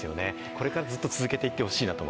これからずっと続けていってほしいなと思います。